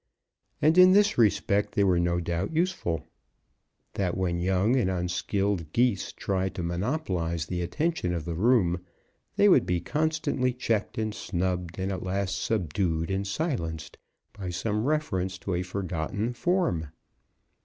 And in this respect they were no doubt useful; that when young and unskilled Geese tried to monopolize the attention of the Room, they would be constantly checked and snubbed, and at last subdued and silenced, by some reference to a forgotten form.